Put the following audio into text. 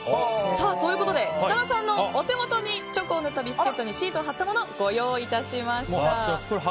ということで設楽さんのお手元にチョコを塗ったビスケットにシートを貼ったものご用意いたしました。